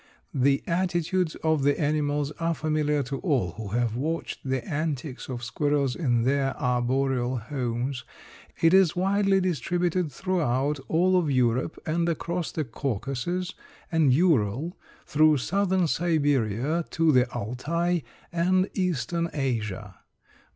The attitudes of the animals are familiar to all who have watched the antics of squirrels in their arboreal homes. It is widely distributed throughout all of Europe and across the Caucasus and Ural through southern Siberia to the Altai and eastern Asia.